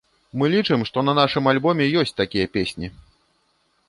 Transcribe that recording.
Мы лічым, што на нашым альбоме ёсць такія песні.